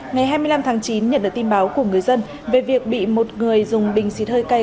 ngày hai mươi năm tháng chín nhận được tin báo của người dân về việc bị một người dùng bình xịt hơi cay